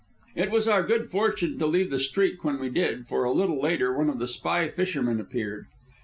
It was our good fortune to leave the Streak when we did, for a little later one of the spy fishermen appeared.